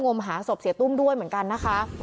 มหาศพเสียตุ้มด้วยเหมือนกันนะคะ